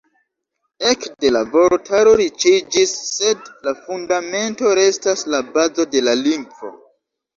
Ekde, la vortaro riĉiĝis sed la Fundamento restas la bazo de la lingvo.